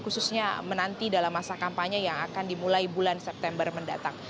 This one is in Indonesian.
khususnya menanti dalam masa kampanye yang akan dimulai bulan september mendatang